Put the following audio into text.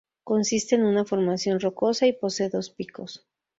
Consiste en una formación rocosa, y posee dos picos.